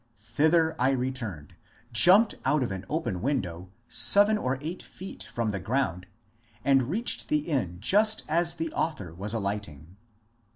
Thither I returned, jumped oi)t of an open window, — seven or eight feet from the ground, — and reached the inn just as the author was alighting.